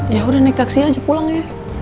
ya udah naik taksi aja pulang ya